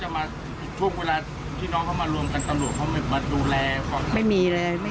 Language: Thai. ไม่มีเลยไม่มี